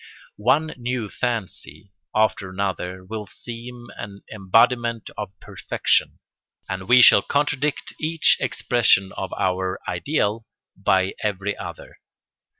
One new fancy after another will seem an embodiment of perfection, and we shall contradict each expression of our ideal by every other.